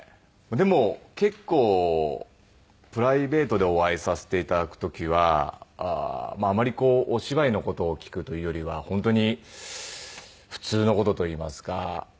でも結構プライベートでお会いさせていただく時はあまりこうお芝居の事を聞くというよりは本当に普通の事といいますか。